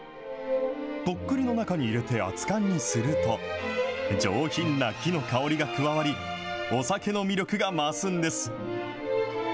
とっくりの中に入れて熱かんにすると、上品な木の香りが加わり、お酒の魅力が増すんです。